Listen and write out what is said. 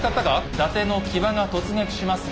伊達の騎馬が突撃します。